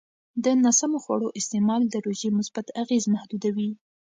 د ناسمو خوړو استعمال د روژې مثبت اغېز محدودوي.